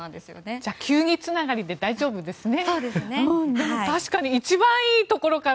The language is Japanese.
じゃあ球技つながりで大丈夫ですね。